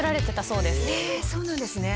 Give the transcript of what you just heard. そうなんですね